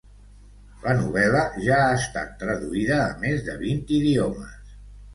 La novel·la ja ha estat traduïda a més de vint idiomes.